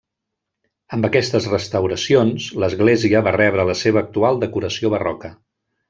Amb aquestes restauracions, l'església va rebre la seva actual decoració barroca.